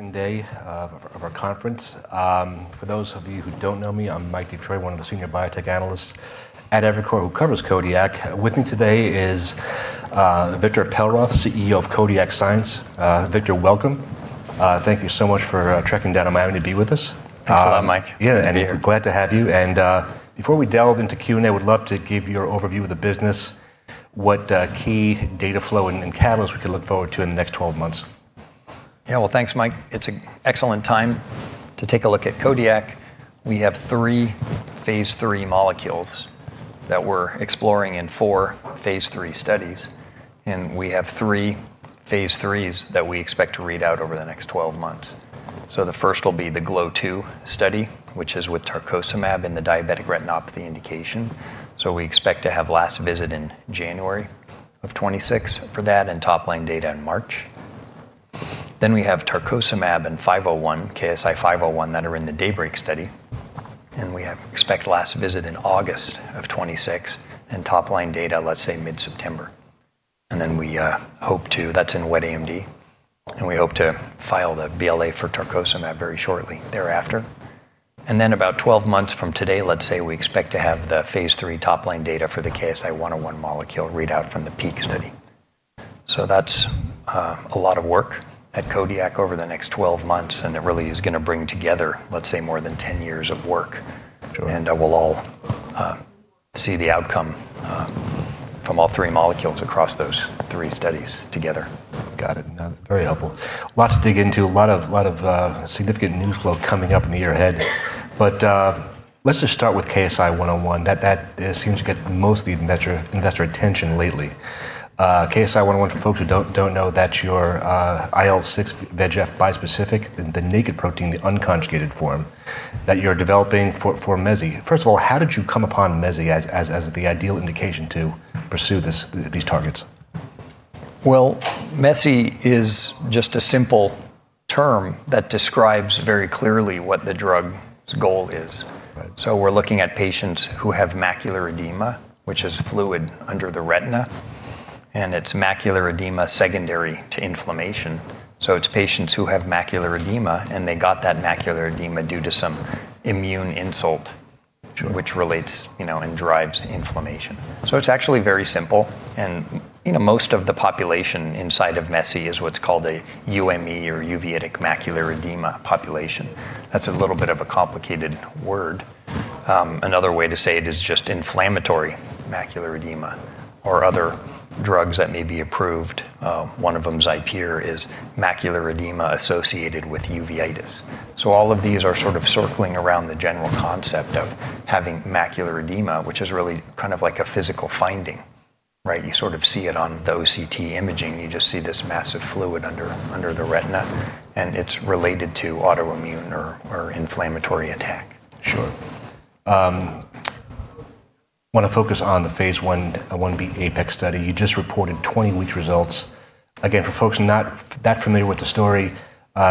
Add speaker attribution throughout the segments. Speaker 1: Second day of our conference. For those of you who don't know me, I'm Mike DiFiore, one of the senior biotech analysts at Evercore who covers Kodiak. With me today is Victor Perlroth, CEO of Kodiak Sciences. Victor, welcome. Thank you so much for trekking down to Miami to be with us.
Speaker 2: Thanks a lot, Mike.
Speaker 1: Yeah, and glad to have you. And before we delve into Q&A, we'd love to give your overview of the business, what key data flow and catalysts we can look forward to in the next 12 months.
Speaker 2: Yeah, well, thanks, Mike. It's an excellent time to take a look at Kodiak. We have three phase III molecules that we're exploring in four phase III studies. We have three phase IIIs that we expect to read out over the next 12 months. The first will be the GLOW2 study, which is with tarcocimab in the diabetic retinopathy indication. We expect to have last visit in January of 2026 for that and top-line data in March. We have tarcocimab and KSI-501 that are in the DAYBREAK study. We expect last visit in August of 2026 and top-line data, let's say, mid-September. That's in wet AMD. We hope to file the BLA for tarcocimab very shortly thereafter. And then about 12 months from today, let's say, we expect to have the phase III top-line data for the KSI-101 molecule readout from the PEAK study. So that's a lot of work at Kodiak over the next 12 months. And it really is going to bring together, let's say, more than 10 years of work. And we'll all see the outcome from all three molecules across those three studies together.
Speaker 1: Got it. Very helpful. A lot to dig into, a lot of significant news flow coming up in the year ahead. But let's just start with KSI-101. That seems to get mostly investor attention lately. KSI-101, for folks who don't know, that's your IL-6 VEGF bispecific, the naked protein, the unconjugated form that you're developing for MESI. First of all, how did you come upon MESI as the ideal indication to pursue these targets?
Speaker 2: MESI is just a simple term that describes very clearly what the drug's goal is. We're looking at patients who have macular edema, which is fluid under the retina. It's macular edema secondary to inflammation. It's patients who have macular edema, and they got that macular edema due to some immune insult, which relates and drives inflammation. It's actually very simple. Most of the population inside of MESI is what's called a UME or uveitic macular edema population. That's a little bit of a complicated word. Another way to say it is just inflammatory macular edema or other drugs that may be approved. One of them, Xipere, is macular edema associated with uveitis. All of these are sort of circling around the general concept of having macular edema, which is really kind of like a physical finding. You sort of see it on the OCT imaging. You just see this massive fluid under the retina. And it's related to autoimmune or inflammatory attack.
Speaker 1: Sure. I want to focus on the phase I, 1b APEX study. You just reported 20-week results. Again, for folks not that familiar with the story,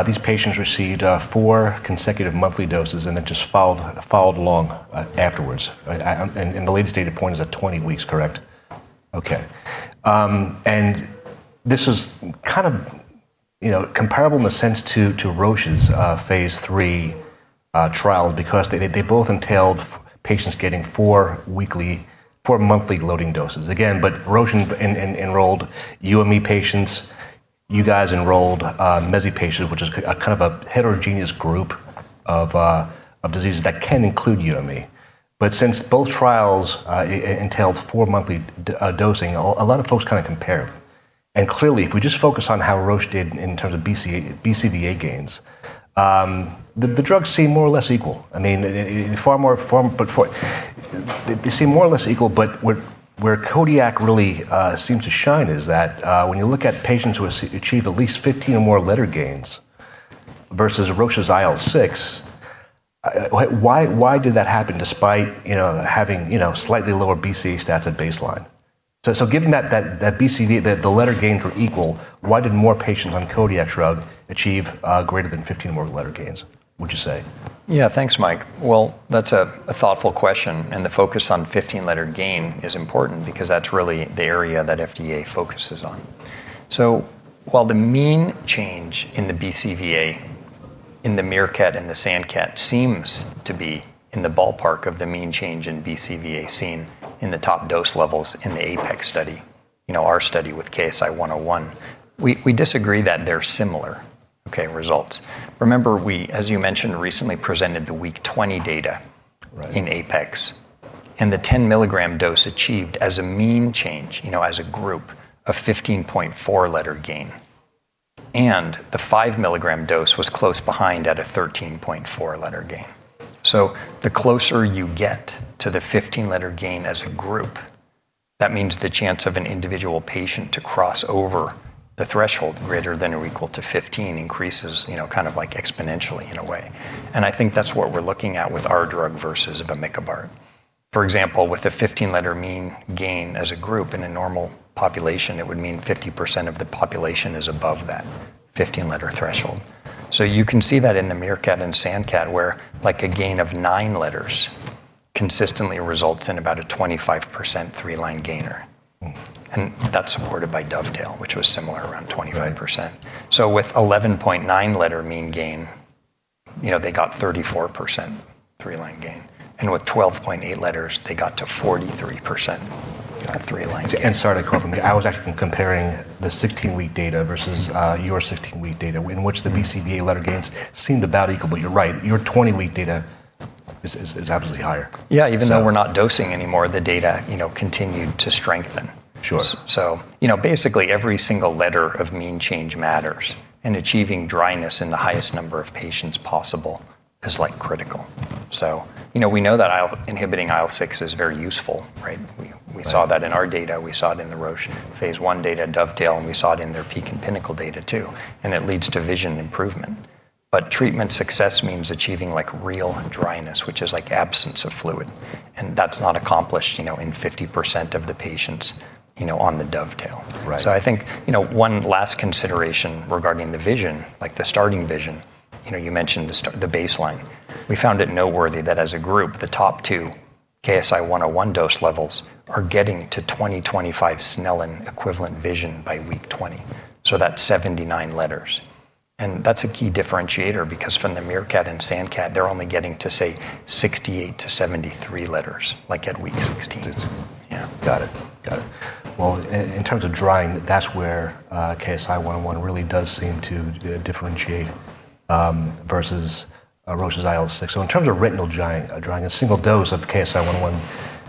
Speaker 1: these patients received four consecutive monthly doses and then just followed along afterwards. And the latest data point is at 20 weeks, correct?
Speaker 2: Correct.
Speaker 1: Okay. And this was kind of comparable in the sense to Roche's phase III trial because they both entailed patients getting four monthly loading doses. Again, but Roche enrolled UME patients. You guys enrolled MESI patients, which is kind of a heterogeneous group of diseases that can include UME. But since both trials entailed four-monthly dosing, a lot of folks kind of compare. And clearly, if we just focus on how Roche did in terms of BCVA gains, the drugs seem more or less equal. I mean, they seem more or less equal. But where Kodiak really seems to shine is that when you look at patients who achieve at least 15 or more letter gains versus Roche's IL-6, why did that happen despite having slightly lower BCVA stats at baseline? So given that the letter gains were equal, why did more patients on Kodiak's drug achieve greater than 15 or more letter gains, would you say?
Speaker 2: Yeah, thanks, Mike. Well, that's a thoughtful question. And the focus on 15-letter gain is important because that's really the area that FDA focuses on. So while the mean change in the BCVA in the MEERKAT and the SANDCAT seems to be in the ballpark of the mean change in BCVA seen in the top dose levels in the APEX study, our study with KSI-101, we disagree that they're similar results. Remember, we, as you mentioned, recently presented the week 20 data in APEX. And the 10-mg dose achieved as a mean change as a group a 15.4-letter gain. And the five-mg dose was close behind at a 13.4-letter gain. So the closer you get to the 15-letter gain as a group, that means the chance of an individual patient to cross over the threshold greater than or equal to 15 increases kind of like exponentially in a way. I think that's what we're looking at with our drug versus vamikibart. For example, with a 15-letter mean gain as a group in a normal population, it would mean 50% of the population is above that 15-letter threshold. You can see that in the MEERKAT and SANDCAT, where a gain of 9 letters consistently results in about a 25% three-line gainer. That's supported by DOVETAIL, which was similar around 25%. With 11.9-letter mean gain, they got 34% three-line gain. With 12.8 letters, they got to 43% three-line.
Speaker 1: Sorry to cut you off. I was actually comparing the 16-week data versus your 16-week data, in which the BCVA letter gains seemed about equal. But you're right. Your 20-week data is absolutely higher.
Speaker 2: Yeah, even though we're not dosing anymore, the data continued to strengthen. So basically, every single letter of mean change matters. And achieving dryness in the highest number of patients possible is critical. So we know that inhibiting IL-6 is very useful. We saw that in our data. We saw it in the Roche phase I data, DOVETAIL. And we saw it in their PEAK and PINNACLE data, too. And it leads to vision improvement. But treatment success means achieving real dryness, which is like absence of fluid. And that's not accomplished in 50% of the patients on the DOVETAIL. So I think one last consideration regarding the vision, like the starting vision, you mentioned the baseline. We found it noteworthy that as a group, the top two KSI-101 dose levels are getting to 20/25 Snellen equivalent vision by week 20. So that's 79 letters. That's a key differentiator because from the MEERKAT and SANDCAT, they're only getting to, say, 68-73 letters at week 16.
Speaker 1: Got it. Got it. In terms of drying, that's where KSI-101 really does seem to differentiate versus Roche's IL-6. In terms of retinal drying, a single dose of KSI-101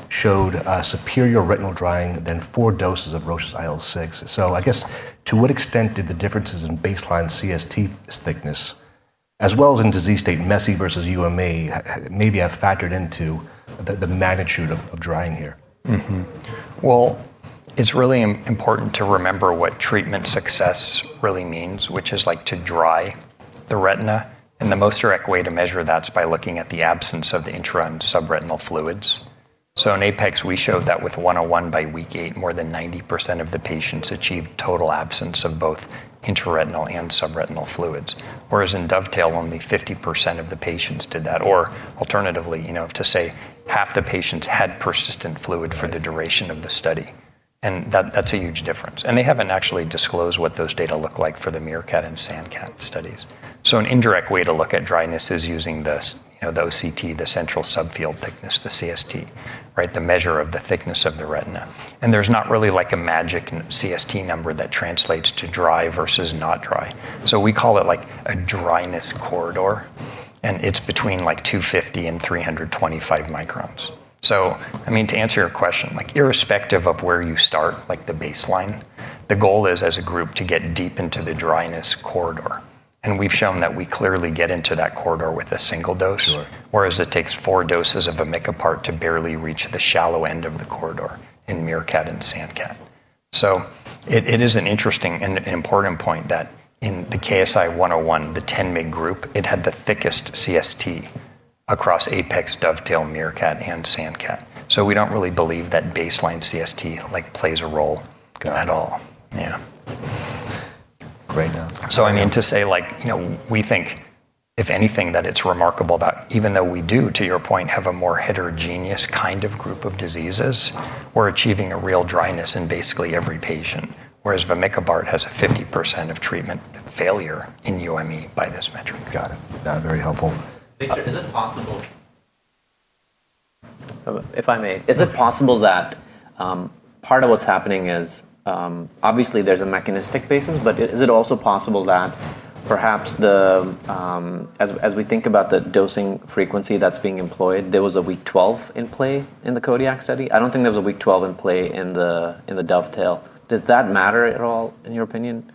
Speaker 1: showed superior retinal drying than four doses of Roche's IL-6. I guess, to what extent did the differences in baseline CST thickness, as well as in disease state MESI versus UME, maybe have factored into the magnitude of drying here?
Speaker 2: Well, it's really important to remember what treatment success really means, which is to dry the retina. And the most direct way to measure that's by looking at the absence of the intra and subretinal fluids. So in APEX, we showed that with 101 by week 8, more than 90% of the patients achieved total absence of both intraretinal and subretinal fluids. Whereas in DOVETAIL, only 50% of the patients did that. Or alternatively, to say, half the patients had persistent fluid for the duration of the study. And that's a huge difference. And they haven't actually disclosed what those data look like for the MEERKAT and SANDCAT studies. So an indirect way to look at dryness is using the OCT, the central subfield thickness, the CST, the measure of the thickness of the retina. There's not really like a magic CST number that translates to dry versus not dry. So we call it like a dryness corridor. And it's between like 250 and 325 microns. So I mean, to answer your question, irrespective of where you start, like the baseline, the goal is, as a group, to get deep into the dryness corridor. And we've shown that we clearly get into that corridor with a single dose, whereas it takes four doses of vamikibart to barely reach the shallow end of the corridor in MEERKAT and SANDCAT. So it is an interesting and important point that in the KSI-101, the 10-mg group, it had the thickest CST across APEX, DOVETAIL, MEERKAT, and SANDCAT. So we don't really believe that baseline CST plays a role at all. Yeah.
Speaker 1: Great.
Speaker 2: So I mean, to say, we think, if anything, that it's remarkable that even though we do, to your point, have a more heterogeneous kind of group of diseases, we're achieving a real dryness in basically every patient, whereas vamikibart has a 50% of treatment failure in UME by this metric.
Speaker 1: Got it. Very helpful. Victor, is it possible?
Speaker 2: If I may. Is it possible that part of what's happening is obviously there's a mechanistic basis, but is it also possible that perhaps as we think about the dosing frequency that's being employed, there was a week 12 in play in the Kodiak study? I don't think there was a week 12 in play in the DOVETAIL. Does that matter at all, in your opinion?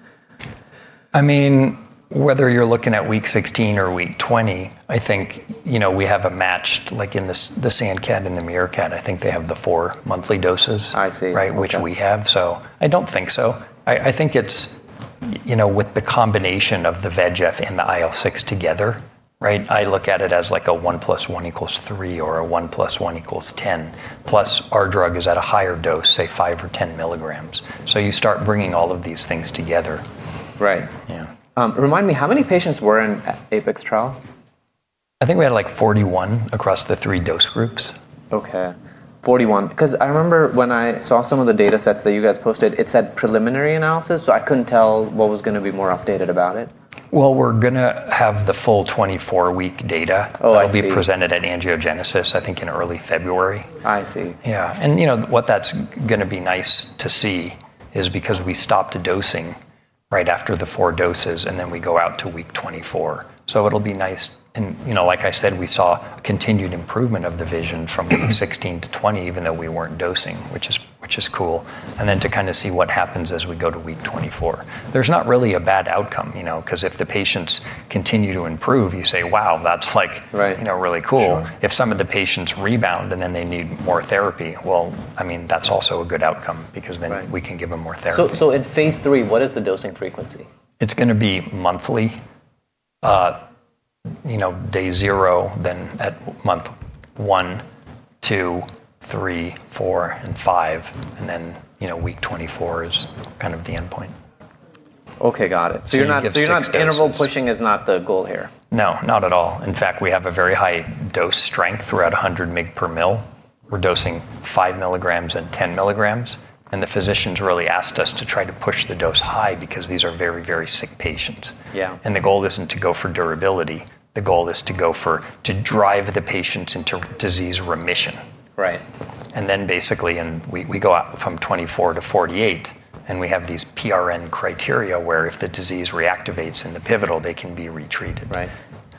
Speaker 2: I mean. Whether you're looking at week 16 or week 20, I think we have a matched in the SANDCAT and the MEERKAT, I think they have the four-monthly doses, which we have. So I don't think so. I think it's with the combination of the VEGF and the IL-6 together, I look at it as like a 1 plus 1 equals 3 or a 1 plus 1 equals 10, plus our drug is at a higher dose, say, five or 10 mg. You start bringing all of these things together. Right. Remind me, how many patients were in APEX trial? I think we had like 41 across the three dose groups. OK. 41. Because I remember when I saw some of the data sets that you guys posted, it said preliminary analysis. So I couldn't tell what was going to be more updated about it. We're going to have the full 24-week data. It'll be presented at Angiogenesis, I think, in early February. I see. Yeah, and what that's going to be nice to see is because we stopped dosing right after the four doses, and then we go out to week 24, so it'll be nice, and like I said, we saw continued improvement of the vision from week 16 to 20, even though we weren't dosing, which is cool, and then to kind of see what happens as we go to week 24. There's not really a bad outcome because if the patients continue to improve, you say, wow, that's like really cool. If some of the patients rebound and then they need more therapy, well, I mean, that's also a good outcome because then we can give them more therapy. In phase three, what is the dosing frequency? It's going to be monthly, day zero, then at month one, two, three, four, and five, and then week 24 is kind of the endpoint. OK, got it. So, you're not interval pushing? Is not the goal here? No, not at all. In fact, we have a very high dose strength throughout 100 mg/mL. We're dosing five mg and 10 mg, and the physicians really asked us to try to push the dose high because these are very, very sick patients, and the goal isn't to go for durability. The goal is to drive the patients into disease remission, and then basically, we go out from 24-48, and we have these PRN criteria where if the disease reactivates in the pivotal, they can be retreated. Right.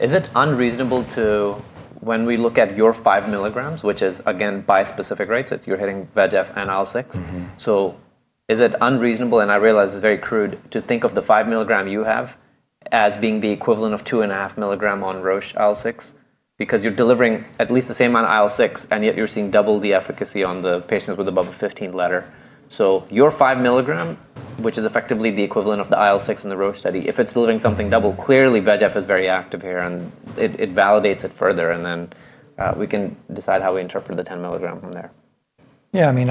Speaker 2: Is it unreasonable to, when we look at your 5 mg, which is, again, bispecific rates, you're hitting VEGF and IL-6, so is it unreasonable, and I realize it's very crude, to think of the 5 mg you have as being the equivalent of 2.5 mg on Roche IL-6? Because you're delivering at least the same amount of IL-6, and yet you're seeing double the efficacy on the patients with above a 15-letter. So your 5 mg, which is effectively the equivalent of the IL-6 in the Roche study, if it's delivering something double, clearly VEGF is very active here. And it validates it further. And then we can decide how we interpret the 10 mg from there. Yeah, I mean,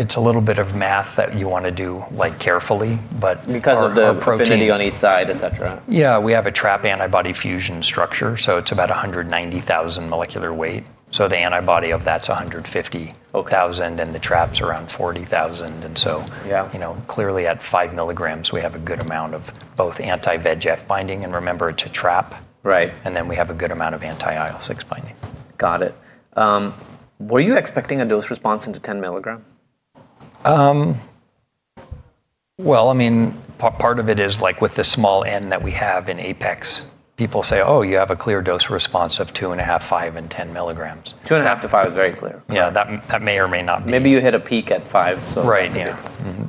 Speaker 2: it's a little bit of math that you want to do carefully. Because of the proficiency on each side, et cetera. Yeah, we have a trap antibody fusion structure. So it's about 190,000 molecular weight. So the antibody that's 150,000, and the trap's around 40,000. And so clearly at 5 mg, we have a good amount of both anti-VEGF binding and VEGF trap. And then we have a good amount of anti-IL-6 binding. Got it. Were you expecting a dose response into 10 mg? I mean, part of it is like with the small n that we have in APEX, people say, oh, you have a clear dose response of 2.5, five, and 10 mg. 2.5 to 5 is very clear. Yeah, that may or may not be. Maybe you hit a peak at five. Right.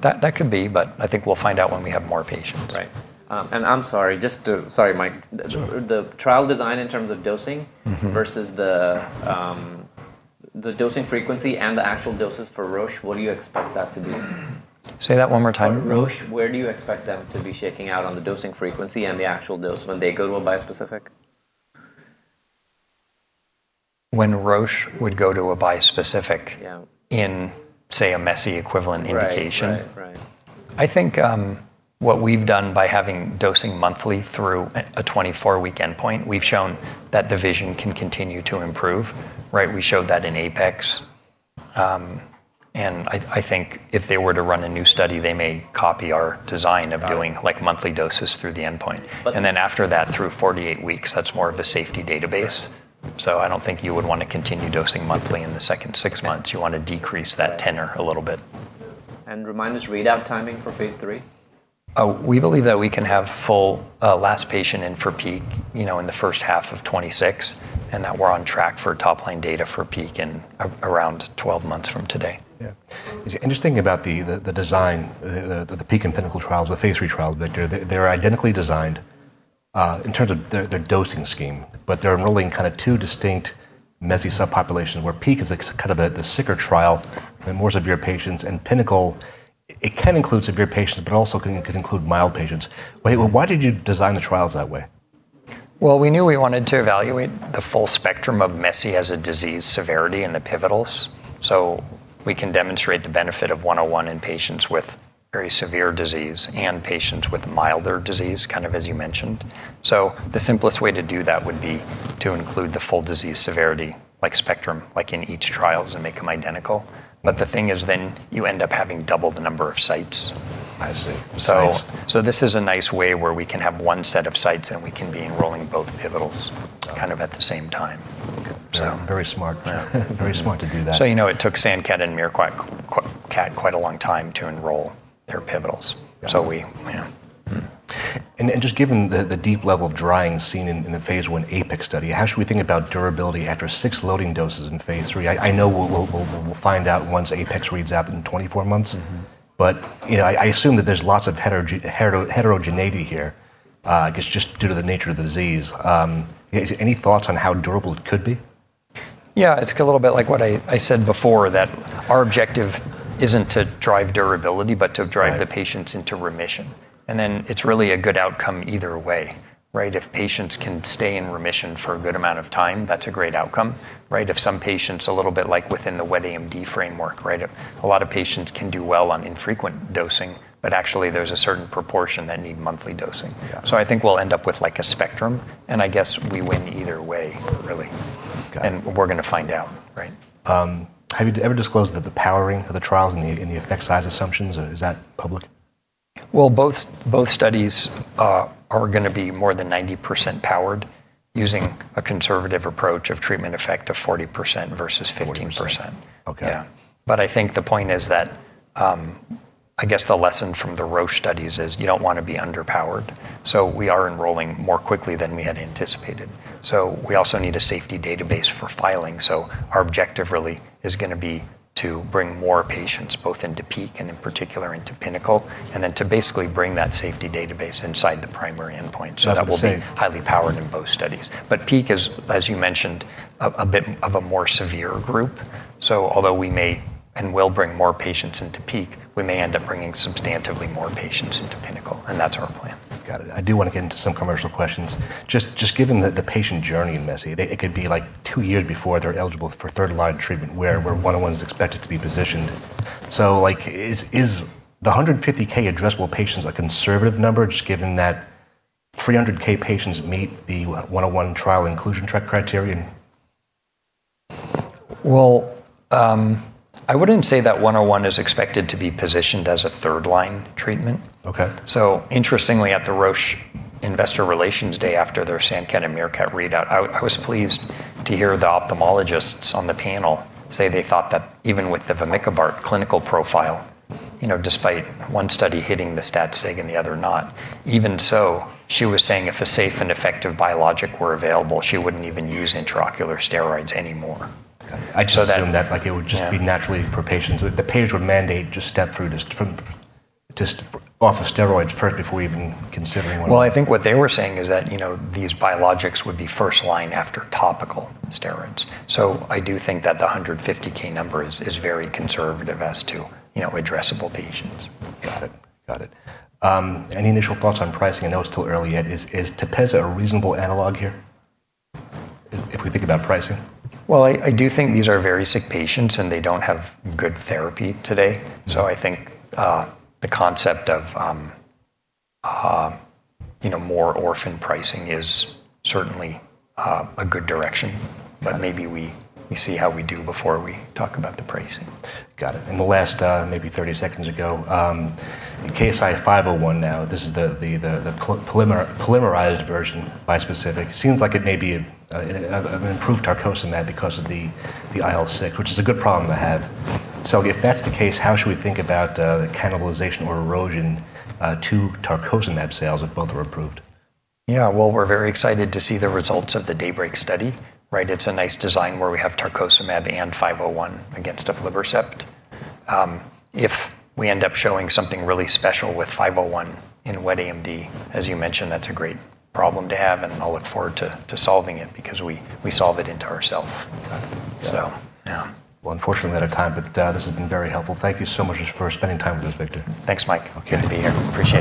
Speaker 2: That could be. But I think we'll find out when we have more patients. Right. I'm sorry, just sorry, Mike. The trial design in terms of dosing versus the dosing frequency and the actual doses for Roche, what do you expect that to be? Say that one more time. For Roche, where do you expect them to be shaking out on the dosing frequency and the actual dose when they go to a bispecific? When would Roche go to a bispecific in, say, a MESI equivalent indication? Right. I think what we've done by having dosing monthly through a 24-week endpoint. We've shown that the vision can continue to improve. We showed that in APEX. And I think if they were to run a new study, they may copy our design of doing monthly doses through the endpoint. And then after that, through 48 weeks, that's more of a safety database. So I don't think you would want to continue dosing monthly in the second six months. You want to decrease that tenor a little bit. And remind us readout timing for phase three? We believe that we can have full last patient in for PEAK in the first half of 2026, and that we're on track for top-line data for PEAK in around 12 months from today.
Speaker 1: Yeah. It's interesting about the design, the PEAK and PINNACLE trials, the phase three trials, Victor. They're identically designed in terms of their dosing scheme. But they're enrolling kind of two distinct MESI subpopulations, where PEAK is kind of the sicker trial and more severe patients. And PINNACLE, it can include severe patients, but also it could include mild patients. Wait, why did you design the trials that way?
Speaker 2: We knew we wanted to evaluate the full spectrum of MESI as a disease severity and the pivotals. We can demonstrate the benefit of 101 in patients with very severe disease and patients with milder disease, kind of as you mentioned. The simplest way to do that would be to include the full disease severity spectrum in each trial and make them identical. The thing is, then you end up having double the number of sites.
Speaker 1: I see.
Speaker 2: So this is a nice way where we can have one set of sites, and we can be enrolling both pivotals kind of at the same time.
Speaker 1: Very smart. Very smart to do that.
Speaker 2: So you know it took SANDCAT and MEERKAT quite a long time to enroll their pivotals. So we.
Speaker 1: Just given the deep level of drying seen in the phase one APEX study, how should we think about durability after six loading doses in phase three? I know we'll find out once APEX reads out in 24 months. I assume that there's lots of heterogeneity here, just due to the nature of the disease. Any thoughts on how durable it could be?
Speaker 2: Yeah, it's a little bit like what I said before, that our objective isn't to drive durability, but to drive the patients into remission, and then it's really a good outcome either way. If patients can stay in remission for a good amount of time, that's a great outcome. If some patients are a little bit like within the wet AMD framework, a lot of patients can do well on infrequent dosing, but actually, there's a certain proportion that need monthly dosing, so I think we'll end up with like a spectrum, and I guess we win either way, really, and we're going to find out.
Speaker 1: Have you ever disclosed that the powering of the trials and the effect size assumptions? Is that public?
Speaker 2: Both studies are going to be more than 90% powered using a conservative approach of treatment effect of 40% versus 15%.
Speaker 1: 15%. OK.
Speaker 2: Yeah. But I think the point is that I guess the lesson from the Roche studies is you don't want to be underpowered. So we are enrolling more quickly than we had anticipated. So we also need a safety database for filing. So our objective really is going to be to bring more patients, both into PEAK and in particular into PINNACLE, and then to basically bring that safety database inside the primary endpoint. So that will be highly powered in both studies. But PEAK is, as you mentioned, a bit of a more severe group. So although we may and will bring more patients into PEAK, we may end up bringing substantively more patients into PINNACLE. And that's our plan.
Speaker 1: Got it. I do want to get into some commercial questions. Just given the patient journey in MESI, it could be like two years before they're eligible for third-line treatment, where 101 is expected to be positioned. So is the 150K addressable patients a conservative number, just given that 300K patients meet the 101 trial inclusion criteria?
Speaker 2: I wouldn't say that 101 is expected to be positioned as a third-line treatment. Interestingly, at the Roche investor relations day after their SANDCAT and MEERKAT readout, I was pleased to hear the ophthalmologists on the panel say they thought that even with the vamikibart clinical profile, despite one study hitting the stat sig and the other not, even so, she was saying if a safe and effective biologic were available, she wouldn't even use intraocular steroids anymore.
Speaker 1: I just assumed that it would just be naturally for patients. The patients would mandate just step through off of steroids first before even considering one.
Speaker 2: I think what they were saying is that these biologics would be first line after topical steroids. So I do think that the 150,000 number is very conservative as to addressable patients.
Speaker 1: Got it. Got it. Any initial thoughts on pricing? I know it's too early yet. Is Tepezza a reasonable analog here if we think about pricing?
Speaker 2: I do think these are very sick patients, and they don't have good therapy today. I think the concept of more orphan pricing is certainly a good direction. Maybe we see how we do before we talk about the pricing.
Speaker 1: Got it. And the last maybe 30 seconds ago, KSI-501 now, this is the polymerized version bispecific. It seems like it may be an improved tarcocimab because of the IL-6, which is a good problem to have. So if that's the case, how should we think about cannibalization or erosion to tarcocimab sales if both are approved?
Speaker 2: Yeah, well, we're very excited to see the results of the DAYBREAK study. It's a nice design where we have tarcocimab and 501 against aflibercept. If we end up showing something really special with 501 in wet AMD, as you mentioned, that's a great problem to have. And I'll look forward to solving it because we solve it ourselves.
Speaker 1: Unfortunately, we're out of time. This has been very helpful. Thank you so much for spending time with us, Victor.
Speaker 2: Thanks, Mike. Good to be here. Appreciate it.